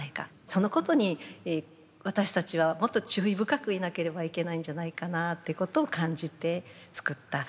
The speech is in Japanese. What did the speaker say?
そのことに私たちはもっと注意深くいなければいけないんじゃないかなっていうことを感じて作った歌であります。